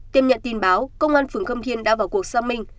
tiêm nhận tin báo công an phường khâm thiên đã vào cuộc xâm minh